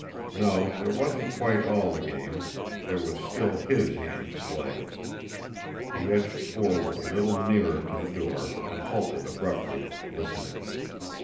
No, it wasn't quite all the game there was still HIS hand to play! He edged forward a little nearer to the door and halted abruptly, listening.